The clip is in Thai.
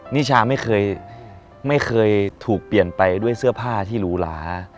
นิชาไม่เคยไม่เคยถูกเปลี่ยนไปด้วยเสื้อผ้าที่หรูหลา